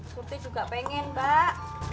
surti juga pengen mbak